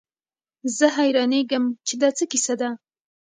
زه حيرانېږم چې دا څه کيسه ده.